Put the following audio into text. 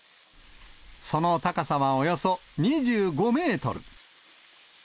その高さはおよそ２５メートル。